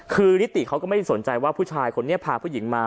คือนิติเขาก็ไม่ได้สนใจว่าผู้ชายคนนี้พาผู้หญิงมา